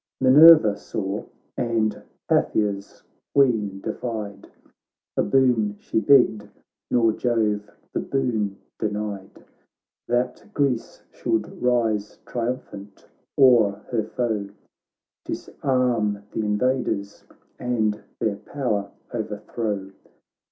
Minerva saw, and Paphia's Queen defied, A boon she begged, nor Jove the boon denied ; That Greece should rise triumphant o'er her foe, Disarm, th' invaders, and their power o'erthrow.